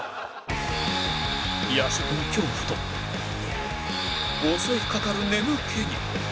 夜食の恐怖と襲いかかる眠気に